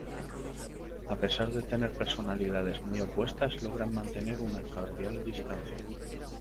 A pesar de tener personalidades muy opuestas logran mantener una cordial distancia.